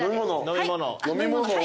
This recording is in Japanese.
飲み物を。